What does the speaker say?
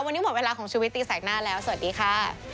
วันนี้หมดเวลาของชีวิตตีแสกหน้าแล้วสวัสดีค่ะ